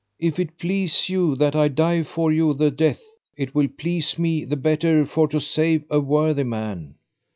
if it please you that I die for you the death, it will please me the better for to save a worthy man.